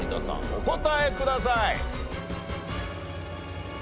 お答えください。